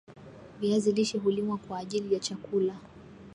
viazi lishe hulimwa kwa ajili ya chakula